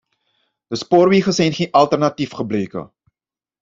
De spoorwegen zijn geen alternatief gebleken.